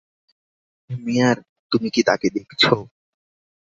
মেয়ার, তুমি কি তাকে দেখছো?